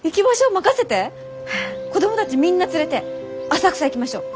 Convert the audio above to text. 子供たちみんな連れて浅草行きましょう！